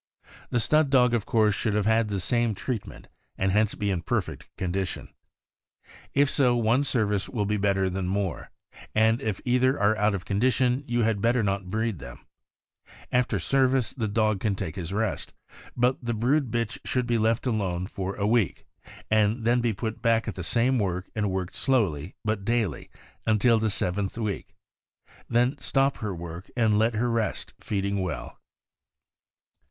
The stud dog, of course, should have had the same treat ment, and hence be in perfect condition. If so, one .service will be better than more; and if either are out of condition, you had better not breed them. After service, the dog can take his rest, but the brood bitch should be left alone for a 12 178 THE AMERICAN BOOK OF THE DOG. week, and then put back at the same work and worked slowly, but daily, until the seventh week; then stop her work and let her rest, feeding well.